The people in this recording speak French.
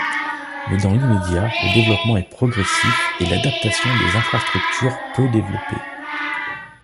Mais dans l'immédiat, le développement est progressif et l’adaptation des infrastructures peu développée.